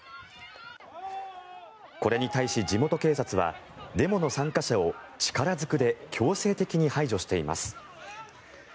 これに対し、地元警察はデモの参加者を力ずくで強制的に排除しています。